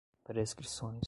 prescrições